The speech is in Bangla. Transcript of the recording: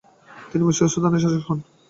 তিনি মিশর ও সুদানের শাসক হন।